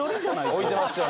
「置いてますよね